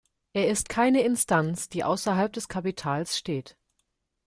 Er ist keine Instanz, die außerhalb des Kapitals steht.